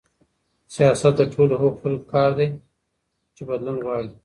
سياست د ټولو هغو خلګو کار دی چي بدلون غواړي.